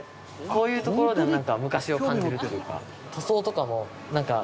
こういうところでなんか昔を感じるというか。